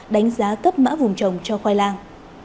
đánh giá cấp mã vùng trồng cho khoai lang